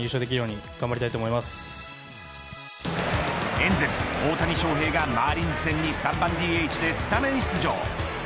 エンゼルス、大谷翔平がマーリンズ戦に３番ＤＨでスタメン出場。